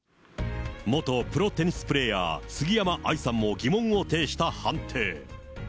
元プロテニスプレーヤー、杉山愛さんも疑問を呈した判定。